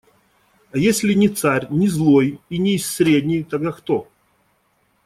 А если не царь, не злой и не из средней, тогда кто?